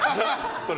それ。